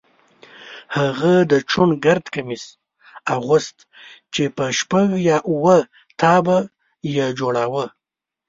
هغه د چوڼ ګرد کمیس اغوست چې په شپږ یا اووه تابه یې جوړاوه.